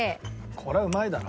これはうまいだろ。